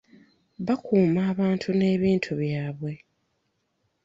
Bakuuma abantu n'ebintu byabwe.